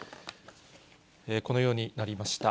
このようになりました。